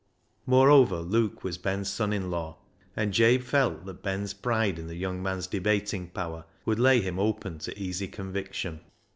Moreover, Luke was Ben's son in law, and Jabe felt that Ben's pride in the THE HARMONIUM 345 young man's debating power would lay him open to easy conviction.